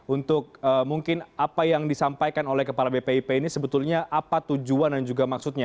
untuk mungkin apa yang disampaikan oleh kepala bpip ini sebetulnya apa tujuan dan juga maksudnya